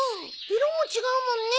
色も違うもんね。